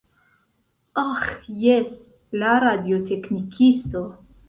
Aĥ, jes, la radioteknikisto.